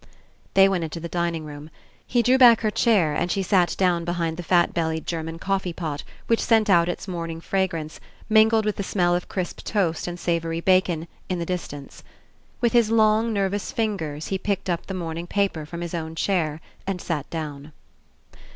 They went Into the dining room. He drew back her chair and she sat down behind the fat bellied German coffee pot, which sent out Its morning fragrance, mingled with the smell of crisp toast and savoury bacon, In the distance. With his long, nervous fingers he picked up the morning paper from his own chair and sat down.